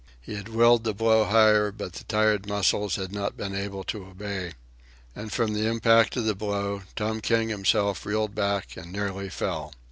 He had willed the blow higher, but the tired muscles had not been able to obey. And, from the impact of the blow, Tom King himself reeled back and nearly fell.